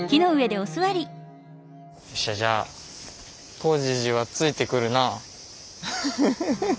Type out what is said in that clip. よっしゃじゃあコジジはついてくるなあ。